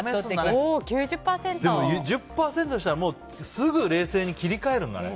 １０％の人はすぐ冷静に切り替えるんだね。